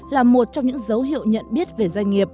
là một trong những dấu hiệu nhận biết về doanh nghiệp